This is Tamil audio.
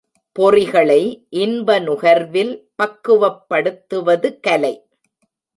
பொறிகளை, இன்ப நுகர்வில் பக்குவப்படுத்துவது கலை.